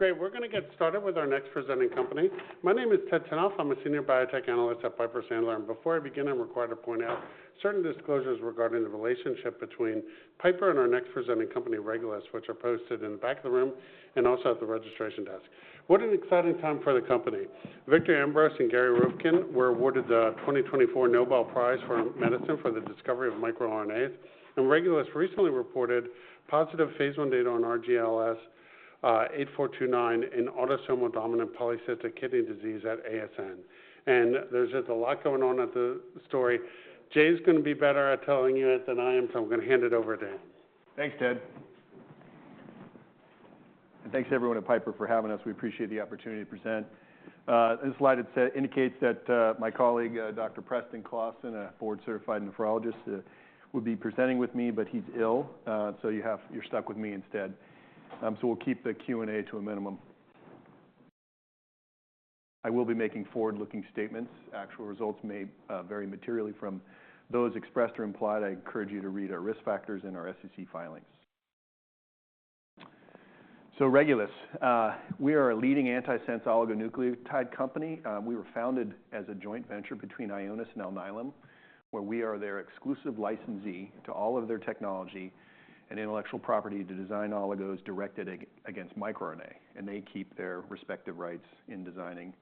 Great. We're going to get started with our next presenting company. My name is Ted Tenthoff. I'm a senior biotech analyst at Piper Sandler. And before I begin, I'm required to point out certain disclosures regarding the relationship between Piper and our next presenting company, Regulus, which are posted in the back of the room and also at the registration desk. What an exciting time for the company. Victor Ambros and Gary Ruvkun were awarded the 2024 Nobel Prize for Medicine for the discovery of microRNAs. Regulus recently reported positive phase I data on RGLS8429 in autosomal dominant polycystic kidney disease at ASN. There's just a lot going on with the story. Jay's going to be better at telling you it than I am, so I'm going to hand it over to him. Thanks, Ted, and thanks, everyone, at Piper for having us. We appreciate the opportunity to present. This slide indicates that my colleague, Dr. Preston Klassen, a board-certified nephrologist, would be presenting with me, but he's ill, so you're stuck with me instead, so we'll keep the Q&A to a minimum. I will be making forward-looking statements. Actual results may vary materially from those expressed or implied. I encourage you to read our risk factors and our SEC filings, so Regulus, we are a leading antisense oligonucleotide company. We were founded as a joint venture between Ionis and Alnylam, where we are their exclusive licensee to all of their technology and intellectual property to design oligos directed against microRNA, and they keep their respective rights in designing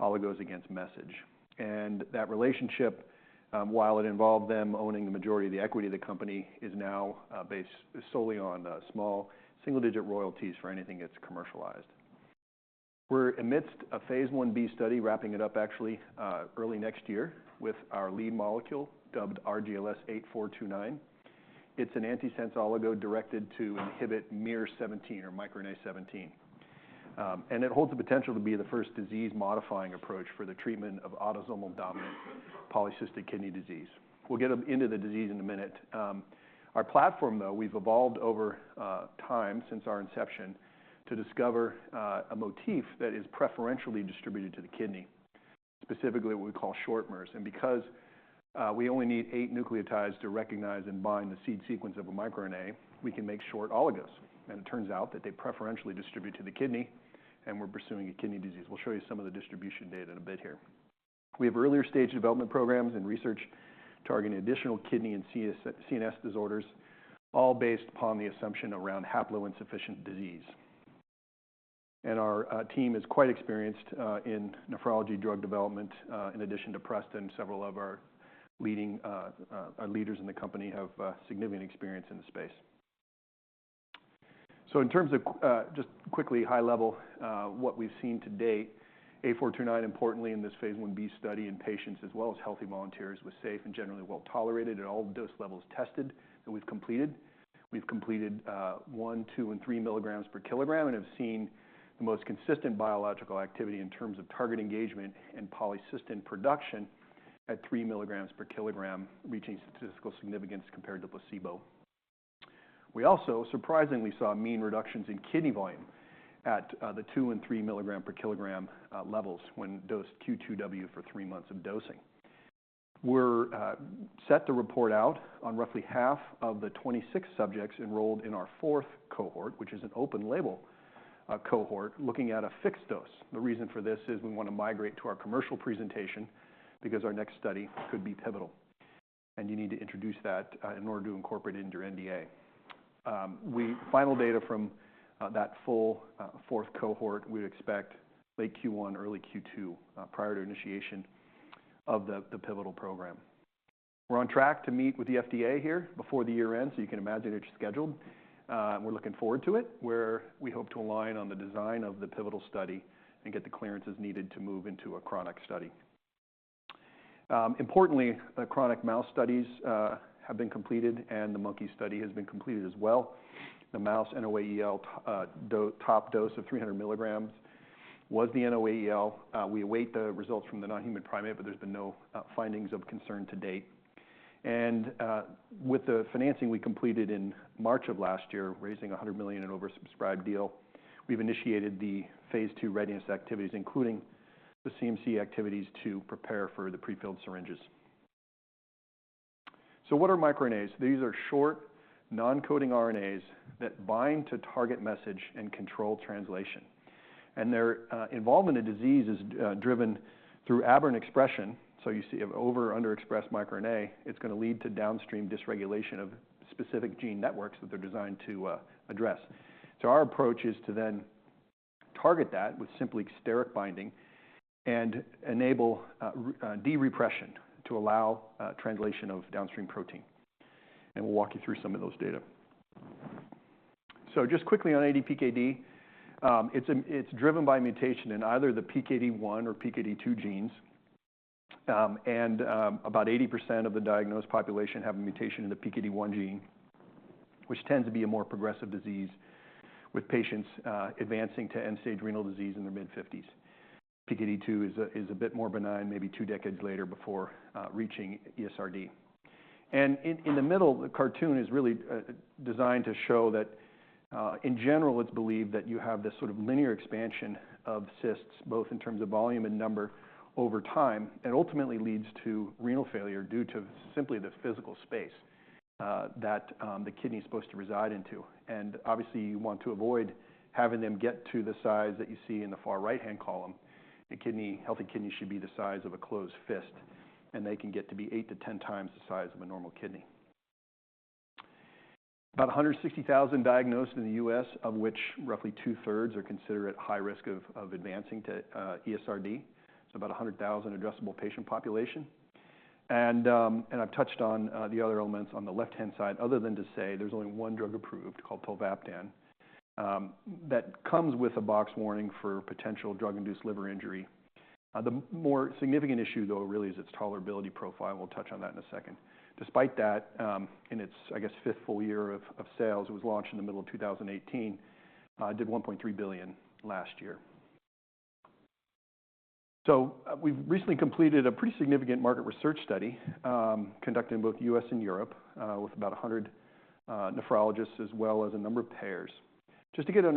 oligos against mRNA. That relationship, while it involved them owning the majority of the equity, the company is now based solely on small single-digit royalties for anything that's commercialized. We're amidst a phase I study, wrapping it up, actually, early next year with our lead molecule dubbed RGLS8429. It's an antisense oligo directed to inhibit miR-17 or microRNA-17. And it holds the potential to be the first disease-modifying approach for the treatment of autosomal dominant polycystic kidney disease. We'll get into the disease in a minute. Our platform, though, we've evolved over time since our inception to discover a motif that is preferentially distributed to the kidney, specifically what we call short miRs. And because we only need eight nucleotides to recognize and bind the seed sequence of a microRNA, we can make short oligos. And it turns out that they preferentially distribute to the kidney, and we're pursuing a kidney disease. We'll show you some of the distribution data in a bit here. We have earlier stage development programs and research targeting additional kidney and CNS disorders, all based upon the assumption around haploinsufficient disease. And our team is quite experienced in nephrology drug development. In addition to Preston, several of our leaders in the company have significant experience in the space. So in terms of just quickly, high level, what we've seen to date, 8429, importantly, in this phase IB study in patients as well as healthy volunteers, was safe and generally well tolerated at all dose levels tested that we've completed. We've completed one, two, and three milligrams per kilogram and have seen the most consistent biological activity in terms of target engagement and polycystin production at three milligrams per kilogram, reaching statistical significance compared to placebo. We also, surprisingly, saw mean reductions in kidney volume at the two and three milligram per kilogram levels when dosed Q2W for three months of dosing. We're set to report out on roughly half of the 26 subjects enrolled in our fourth cohort, which is an open-label cohort, looking at a fixed dose. The reason for this is we want to migrate to our commercial presentation because our next study could be pivotal, and you need to introduce that in order to incorporate it into your NDA. Final data from that full fourth cohort, we would expect late Q1, early Q2, prior to initiation of the pivotal program. We're on track to meet with the FDA here before the year end, so you can imagine it's scheduled. We're looking forward to it, where we hope to align on the design of the pivotal study and get the clearances needed to move into a chronic study. Importantly, the chronic mouse studies have been completed, and the monkey study has been completed as well. The mouse NOAEL top dose of 300 milligrams was the NOAEL. We await the results from the non-human primate, but there's been no findings of concern to date. And with the financing we completed in March of last year, raising a $100 million and oversubscribed deal, we've initiated the phase II readiness activities, including the CMC activities to prepare for the prefilled syringes. So what are microRNAs? These are short, non-coding RNAs that bind to target message and control translation. Their involvement in disease is driven through aberrant expression. So you see an over- or under-expressed microRNA, it's going to lead to downstream dysregulation of specific gene networks that they're designed to address. So our approach is to then target that with simply steric binding and enable derepression to allow translation of downstream protein. And we'll walk you through some of those data. So just quickly on ADPKD, it's driven by mutation in either the PKD1 or PKD2 genes. And about 80% of the diagnosed population have a mutation in the PKD1 gene, which tends to be a more progressive disease, with patients advancing to end-stage renal disease in their mid-50s. PKD2 is a bit more benign, maybe two decades later before reaching ESRD. And in the middle, the cartoon is really designed to show that, in general, it's believed that you have this sort of linear expansion of cysts, both in terms of volume and number, over time, and ultimately leads to renal failure due to simply the physical space that the kidney is supposed to reside in. And obviously, you want to avoid having them get to the size that you see in the far right-hand column. A healthy kidney should be the size of a closed fist, and they can get to be 8-10x the size of a normal kidney. About 160,000 diagnosed in the U.S., of which roughly two-thirds are considered at high risk of advancing to ESRD. So about 100,000 addressable patient population. I've touched on the other elements on the left-hand side, other than to say there's only one drug approved called tolvaptan that comes with a box warning for potential drug-induced liver injury. The more significant issue, though, really is its tolerability profile. We'll touch on that in a second. Despite that, in its, I guess, fifth full year of sales, it was launched in the middle of 2018, did $1.3 billion last year. We've recently completed a pretty significant market research study conducted in both the U.S. and Europe with about 100 nephrologists, as well as a number of payers. Just to get an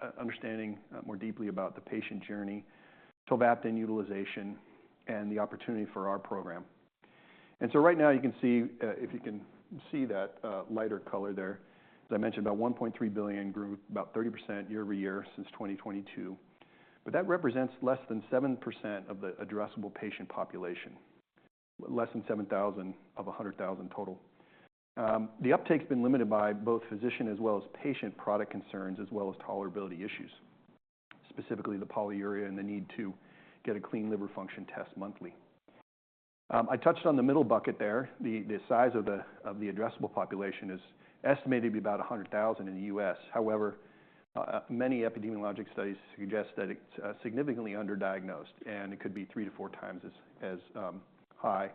understanding more deeply about the patient journey, tolvaptan utilization, and the opportunity for our program. Right now, you can see, if you can see that lighter color there, as I mentioned, about $1.3 billion grew about 30% year over year since 2022. But that represents less than 7% of the addressable patient population, less than 7,000 of 100,000 total. The uptake's been limited by both physician as well as patient product concerns, as well as tolerability issues, specifically the polyuria and the need to get a clean liver function test monthly. I touched on the middle bucket there. The size of the addressable population is estimated to be about 100,000 in the U.S. However, many epidemiologic studies suggest that it's significantly underdiagnosed, and it could be three to four times as high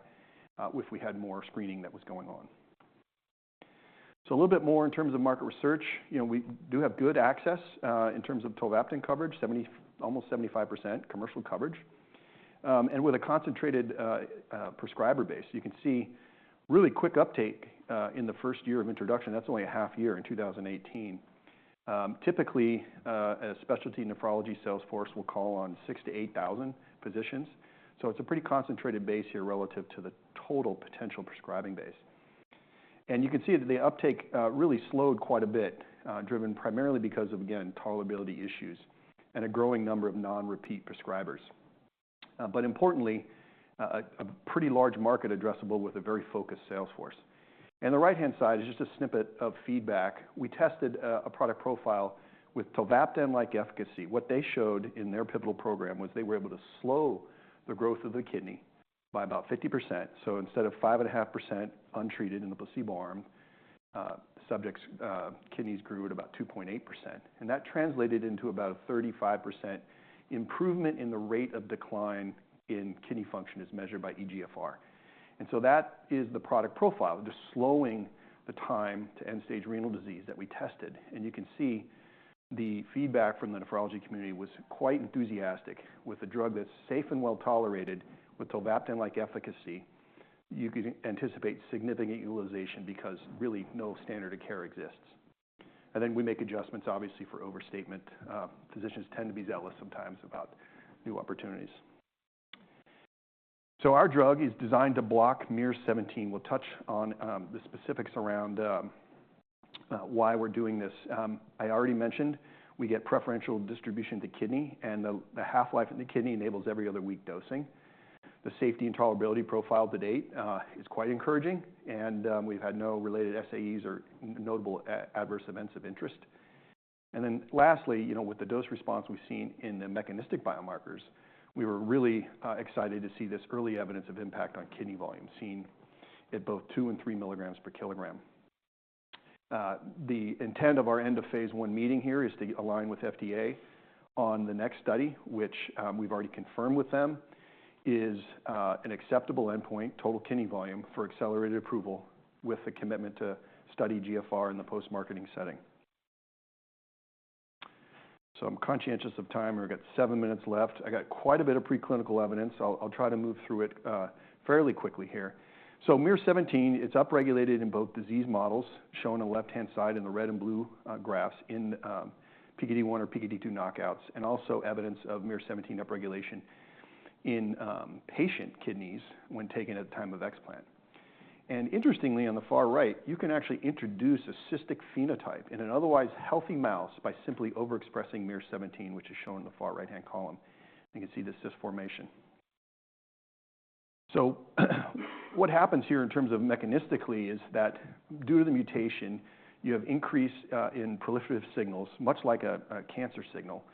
if we had more screening that was going on. So a little bit more in terms of market research. We do have good access in terms of tolvaptan coverage, almost 75% commercial coverage. And with a concentrated prescriber base, you can see really quick uptake in the first year of introduction. That's only a half year in 2018. Typically, a specialty nephrology sales force will call on 6,000-8,000 physicians. So it's a pretty concentrated base here relative to the total potential prescribing base. And you can see that the uptake really slowed quite a bit, driven primarily because of, again, tolerability issues and a growing number of non-repeat prescribers. But importantly, a pretty large market addressable with a very focused sales force. And the right-hand side is just a snippet of feedback. We tested a product profile with tolvaptan-like efficacy. What they showed in their pivotal program was they were able to slow the growth of the kidney by about 50%. So instead of 5.5% untreated in the placebo arm, subjects' kidneys grew at about 2.8%. And that translated into about a 35% improvement in the rate of decline in kidney function as measured by eGFR. That is the product profile, just slowing the time to end-stage renal disease that we tested. You can see the feedback from the nephrology community was quite enthusiastic with a drug that's safe and well tolerated with tolvaptan-like efficacy. You can anticipate significant utilization because really no standard of care exists. We make adjustments, obviously, for overstatement. Physicians tend to be zealous sometimes about new opportunities. Our drug is designed to block miR-17. We'll touch on the specifics around why we're doing this. I already mentioned we get preferential distribution to the kidney, and the half-life in the kidney enables every other week dosing. The safety and tolerability profile to date is quite encouraging, and we've had no related SAEs or notable adverse events of interest. And then lastly, with the dose response we've seen in the mechanistic biomarkers, we were really excited to see this early evidence of impact on kidney volume seen at both 2 and 3 milligrams per kilogram. The intent of our end-of-phase I meeting here is to align with FDA on the next study, which we've already confirmed with them is an acceptable endpoint, total kidney volume, for accelerated approval with the commitment to study GFR in the post-marketing setting. So I'm conscious of time. We've got seven minutes left. I got quite a bit of preclinical evidence. I'll try to move through it fairly quickly here. So miR-17, it's upregulated in both disease models shown on the left-hand side in the red and blue graphs in PKD1 or PKD2 knockouts, and also evidence of miR-17 upregulation in patient kidneys when taken at the time of explant. And interestingly, on the far right, you can actually introduce a cystic phenotype in an otherwise healthy mouse by simply overexpressing miR-17, which is shown in the far right-hand column. You can see the cyst formation. So what happens here in terms of mechanistically is that due to the mutation, you have increase in proliferative signals, much like a cancer signal.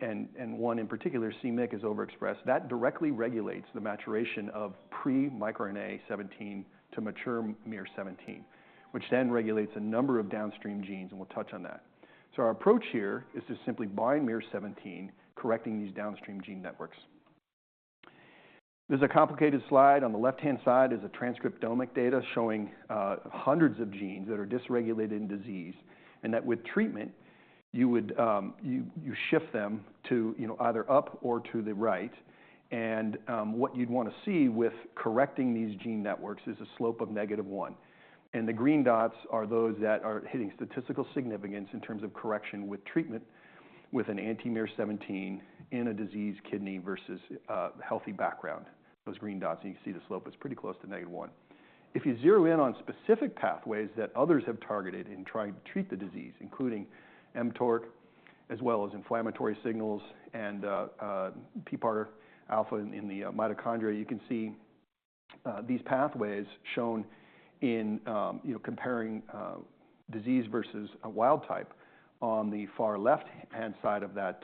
And one in particular, c-Myc, is overexpressed. That directly regulates the maturation of pre-miR-17 to mature miR-17, which then regulates a number of downstream genes, and we'll touch on that. So our approach here is to simply bind miR-17, correcting these downstream gene networks. There's a complicated slide. On the left-hand side is the transcriptomic data showing hundreds of genes that are dysregulated in disease and that with treatment, you shift them to either up or to the right. And what you'd want to see with correcting these gene networks is a slope of negative 1. And the green dots are those that are hitting statistical significance in terms of correction with treatment with an anti-miR-17 in a diseased kidney versus healthy background. Those green dots, you can see the slope is pretty close to negative 1. If you zero in on specific pathways that others have targeted in trying to treat the disease, including mTORC as well as inflammatory signals and PPAR alpha in the mitochondria, you can see these pathways shown in comparing disease versus wild type on the far left-hand side of that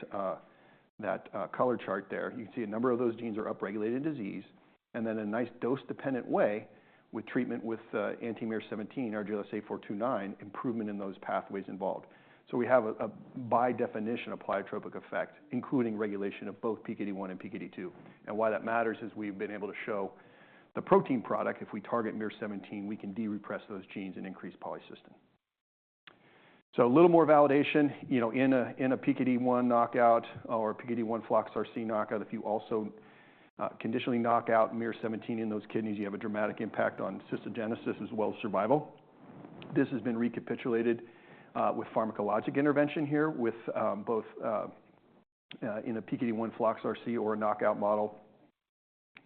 color chart there. You can see a number of those genes are upregulated in disease. And then in a nice dose-dependent way, with treatment with anti-miR-17, RGLS8429, improvement in those pathways involved. So we have, by definition, a pleiotropic effect, including regulation of both PKD1 and PKD2. And why that matters is we've been able to show the protein product, if we target miR-17, we can derepress those genes and increase polycystin. So a little more validation. In a PKD1 knockout or PKD1 flox/RC knockout, if you also conditionally knockout miR-17 in those kidneys, you have a dramatic impact on cystogenesis as well as survival. This has been recapitulated with pharmacologic intervention here, both in a PKD1 flox/RC or a knockout model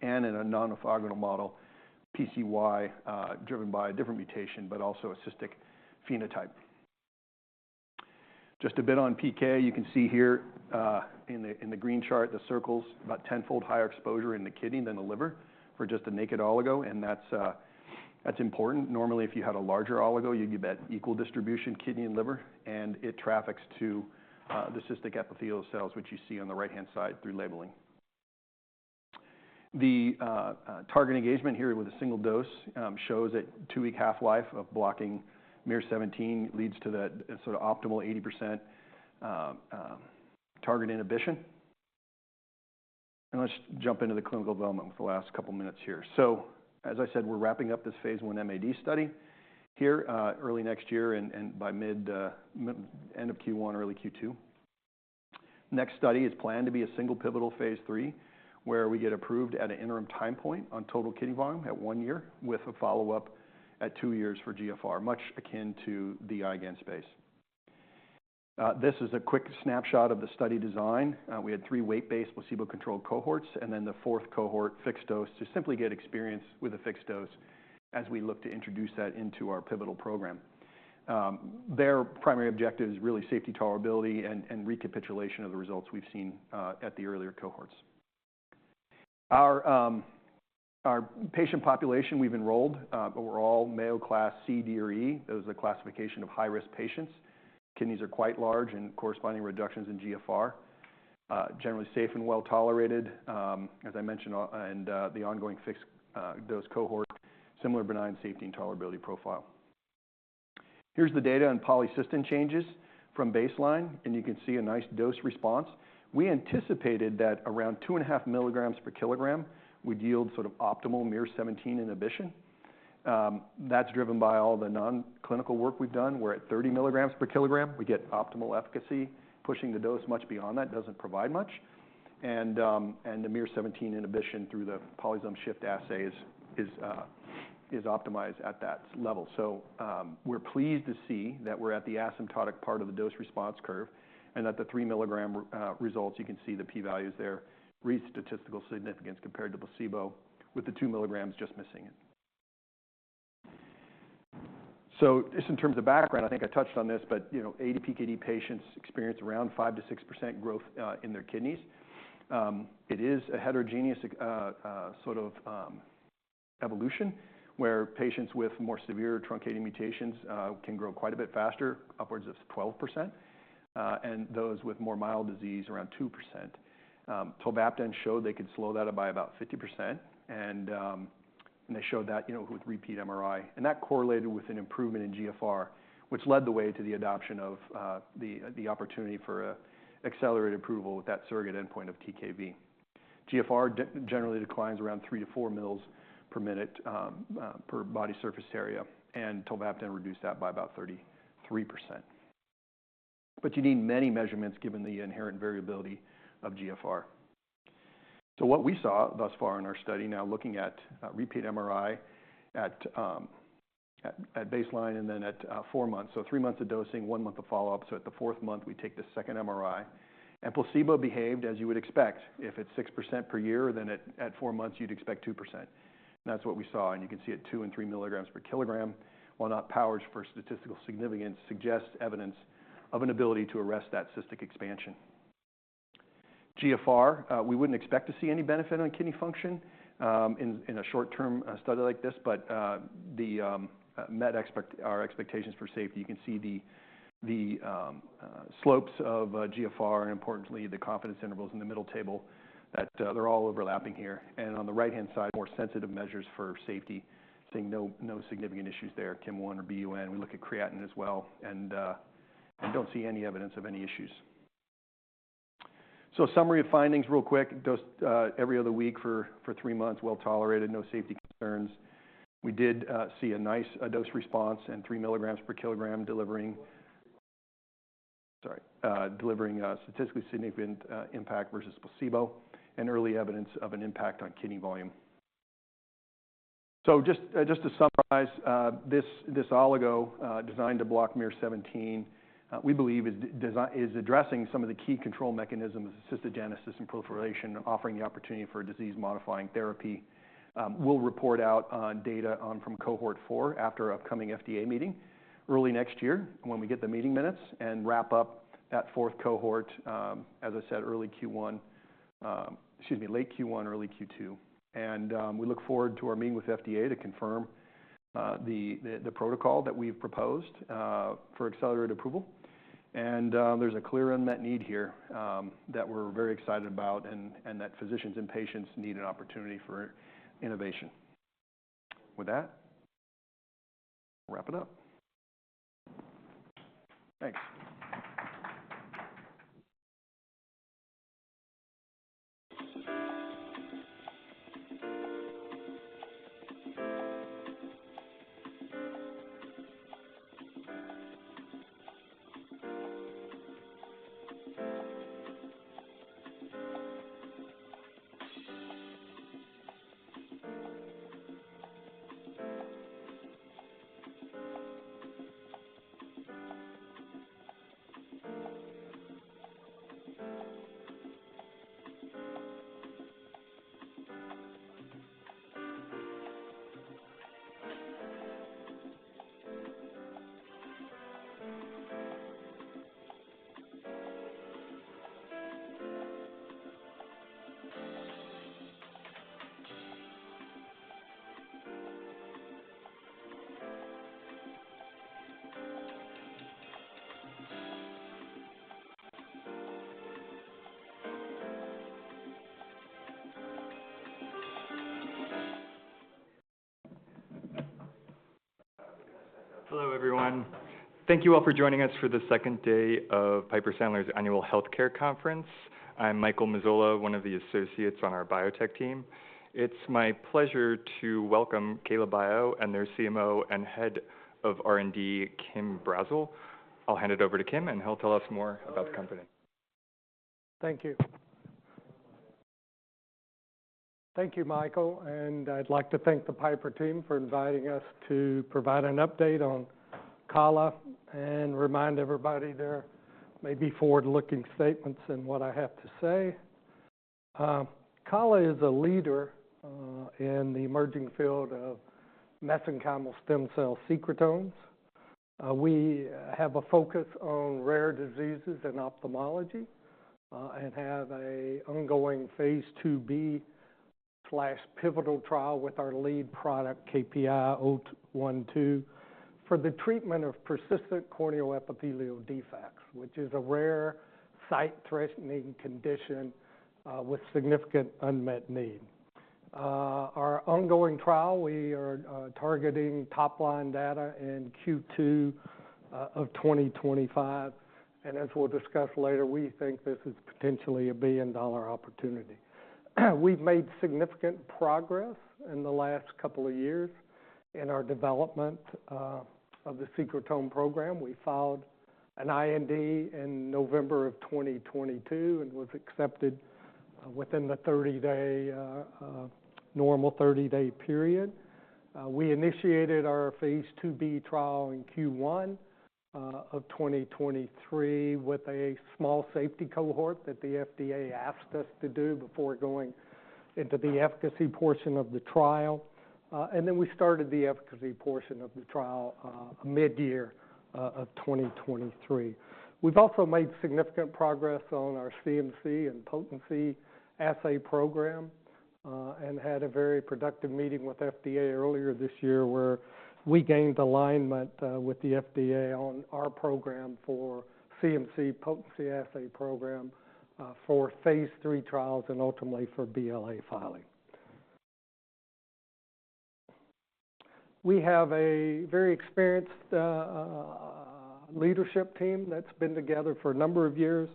and in a non-orthologous model, pcy driven by a different mutation, but also a cystic phenotype. Just a bit on PK. You can see here in the green chart, the circles, about 10-fold higher exposure in the kidney than the liver for just a naked oligo, and that's important. Normally, if you had a larger oligo, you'd get equal distribution kidney and liver, and it traffics to the cystic epithelial cells, which you see on the right-hand side through labeling. The target engagement here with a single dose shows that two-week half-life of blocking miR-17 leads to that sort of optimal 80% target inhibition. And let's jump into the clinical development with the last couple of minutes here. So as I said, we're wrapping up this phase I MAD study here early next year and by end of Q1, early Q2. Next study is planned to be a single pivotal phase III, where we get approved at an interim time point on total kidney volume at one year with a follow-up at two years for GFR, much akin to the IgAN space. This is a quick snapshot of the study design. We had three weight-based placebo-controlled cohorts, and then the fourth cohort, fixed dose, to simply get experience with a fixed dose as we look to introduce that into our pivotal program. Their primary objective is really safety, tolerability, and recapitulation of the results we've seen at the earlier cohorts. Our patient population we've enrolled, overall, Mayo class 1C/D/E. That was the classification of high-risk patients. Kidneys are quite large and corresponding reductions in GFR. Generally safe and well tolerated, as I mentioned, and the ongoing fixed dose cohort, similar benign safety and tolerability profile. Here's the data on polycystin changes from baseline, and you can see a nice dose response. We anticipated that around 2.5 milligrams per kilogram would yield sort of optimal miR-17 inhibition. That's driven by all the non-clinical work we've done, where at 30 milligrams per kilogram, we get optimal efficacy. Pushing the dose much beyond that doesn't provide much. And the miR-17 inhibition through the polysomal shift assay is optimized at that level. So we're pleased to see that we're at the asymptotic part of the dose response curve and that the 3 milligram results, you can see the p-values there, reach statistical significance compared to placebo with the 2 milligrams just missing it. So just in terms of background, I think I touched on this, but 80 PKD patients experience around 5%-6% growth in their kidneys. It is a heterogeneous sort of evolution where patients with more severe truncating mutations can grow quite a bit faster, upwards of 12%, and those with more mild disease, around 2%. tolvaptan showed they could slow that by about 50%, and they showed that with repeat MRI. That correlated with an improvement in GFR, which led the way to the adoption of the opportunity for accelerated approval with that surrogate endpoint of TKV. GFR generally declines around 3-4 mL per minute per body surface area, and tolvaptan reduced that by about 33%. You need many measurements given the inherent variability of GFR. What we saw thus far in our study, now looking at repeat MRI at baseline and then at four months. Three months of dosing, one month of follow-up. At the fourth month, we take the second MRI. Placebo behaved as you would expect. If it's 6% per year, then at four months, you'd expect 2%. That's what we saw. You can see at 2 and 3 milligrams per kilogram, while not powered for statistical significance, suggests evidence of an ability to arrest that cystic expansion. eGFR, we wouldn't expect to see any benefit on kidney function in a short-term study like this, but met our expectations for safety. You can see the slopes of eGFR and, importantly, the confidence intervals in the middle table that they're all overlapping here, and on the right-hand side, more sensitive measures for safety, seeing no significant issues there, chem or BUN. We look at creatinine as well and don't see any evidence of any issues, so summary of findings real quick. Dose every other week for three months, well tolerated, no safety concerns. We did see a nice dose response and 3 milligrams per kilogram delivering statistically significant impact versus placebo and early evidence of an impact on kidney volume, so just to summarize, this oligo designed to block miR-17, we believe, is addressing some of the key control mechanisms, cystogenesis and proliferation, offering the opportunity for disease-modifying therapy. We'll report out on data from cohort four after upcoming FDA meeting early next year when we get the meeting minutes and wrap up that fourth cohort, as I said, early Q1, excuse me, late Q1, early Q2. And we look forward to our meeting with FDA to confirm the protocol that we've proposed for accelerated approval. And there's a clear unmet need here that we're very excited about and that physicians and patients need an opportunity for innovation. With that, wrap it up. Thanks. Hello, everyone. Thank you all for joining us for the second day of Piper Sandler's annual healthcare conference. I'm Michael Mazzola, one of the associates on our biotech team. It's my pleasure to welcome KALA BIO and their CMO and head of R&D, Kim Brazzell. I'll hand it over to Kim, and he'll tell us more about the company. Thank you. Thank you, Michael. I'd like to thank the Piper team for inviting us to provide an update on KALA and remind everybody there may be forward-looking statements in what I have to say. KALA is a leader in the emerging field of mesenchymal stem cell secretomes. We have a focus on rare diseases and ophthalmology and have an ongoing phase IIb/pivotal trial with our lead product, KPI-012, for the treatment of persistent corneal epithelial defects, which is a rare sight-threatening condition with significant unmet need. Our ongoing trial, we are targeting top-line data in Q2 of 2025. And as we'll discuss later, we think this is potentially a $1 billion opportunity. We've made significant progress in the last couple of years in our development of the secretome program. We filed an IND in November of 2022 and was accepted within the normal 30-day period. We initiated our phase IIb trial in Q1 of 2023 with a small safety cohort that the FDA asked us to do before going into the efficacy portion of the trial. And then we started the efficacy portion of the trial mid-year of 2023. We've also made significant progress on our CMC and potency assay program and had a very productive meeting with FDA earlier this year where we gained alignment with the FDA on our program for CMC potency assay program for phase III trials and ultimately for BLA filing. We have a very experienced leadership team that's been together for a number of years,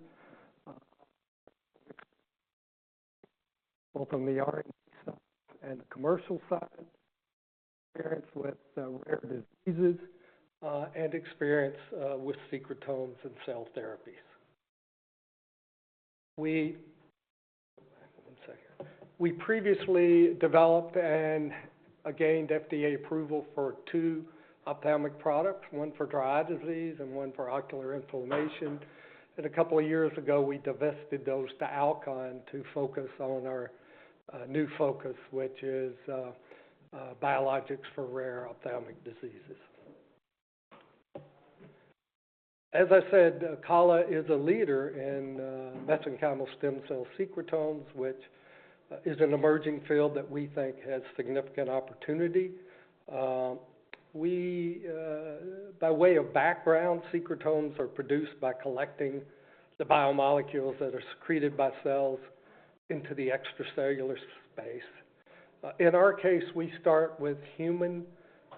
both on the R&D side and the commercial side, experience with rare diseases, and experience with secretomes and cell therapies. One second. We previously developed and gained FDA approval for two ophthalmic products, one for dry eye disease and one for ocular inflammation. A couple of years ago, we divested those to Alcon to focus on our new focus, which is biologics for rare ophthalmic diseases. As I said, KALA is a leader in mesenchymal stem cell secretomes, which is an emerging field that we think has significant opportunity. By way of background, secretomes are produced by collecting the biomolecules that are secreted by cells into the extracellular space. In our case, we start with human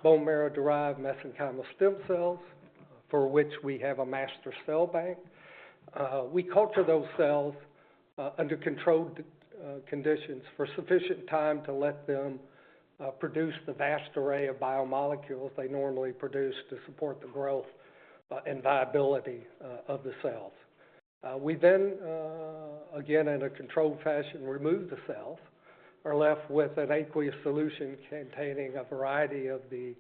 bone marrow-derived mesenchymal stem cells, for which we have a master cell bank. We culture those cells under controlled conditions for sufficient time to let them produce the vast array of biomolecules they normally produce to support the growth and viability of the cells. We then, again, in a controlled fashion, remove the cells and are left with an aqueous solution containing a variety of the.